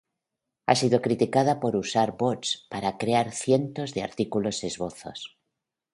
Ha sido criticada por usar bots para crear cientos de artículos esbozos.